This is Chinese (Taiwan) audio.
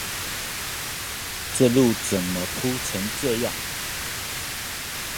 這路怎麼鋪成這樣！